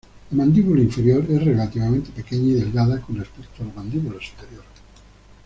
La mandíbula inferior es relativamente pequeña y delgada con respecto a la mandíbula superior.